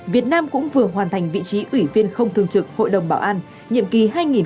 việt nam cũng vừa hoàn thành vị trí ủy viên không thường trực hội đồng bảo an nhiệm kỳ hai nghìn hai mươi hai nghìn hai mươi một